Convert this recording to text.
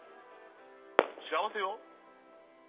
幸せよ。